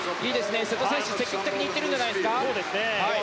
瀬戸選手、積極的にいってるんじゃないですか。